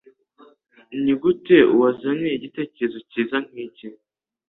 Nigute wazanye igitekerezo cyiza nkiki?